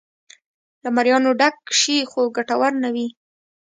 له مریانو ډک شي خو ګټور نه و.